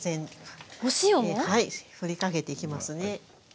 お塩も⁉ふりかけていきますね。